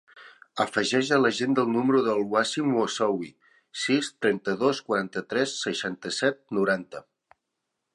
Afegeix a l'agenda el número del Wasim Moussaoui: sis, trenta-dos, quaranta-tres, seixanta-set, noranta.